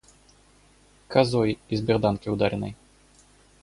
Козой, из берданки ударенной.